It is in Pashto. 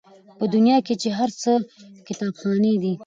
په دنیا کي چي هر څه کتابخانې دي